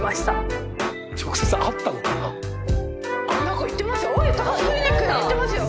何か行ってますよ。